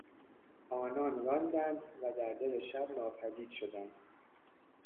آنان راندند و در دل شب ناپدید شدند.